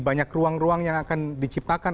banyak ruang ruang yang akan diciptakan